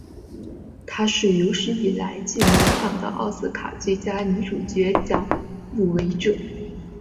她是有史以来最年长的奥斯卡最佳女主角奖入围者。